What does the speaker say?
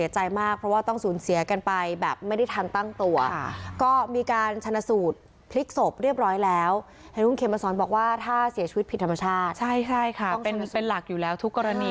เห็นเป็นหลักอยู่แล้วทุกกรณี